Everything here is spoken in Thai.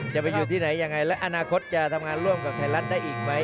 จะไปอยู่ที่ไหนยังไงและอนาคตจะทำงานร่วมกับไทยรัฐได้อีกไหม